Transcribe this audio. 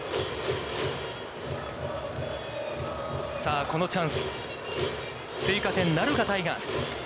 さあこのチャンス、追加点なるかタイガース。